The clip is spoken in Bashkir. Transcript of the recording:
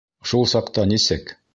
Шул саҡта нисек...